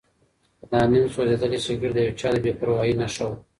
دا نیم سوځېدلی سګرټ د یو چا د بې پروایۍ نښه وه.